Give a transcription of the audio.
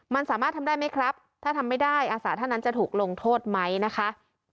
มันสามารถทำได้ไหมครับถ้าทำไม่ได้อาสาท่านนั้นจะถูกลงโทษไหมนะคะ